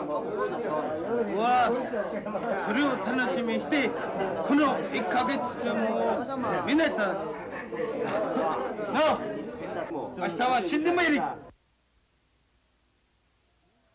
俺はそれを楽しみにしてこの１か月もう。なあ！明日は死んでもやれ。